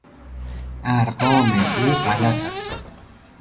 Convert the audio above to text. ارقام او غلط است.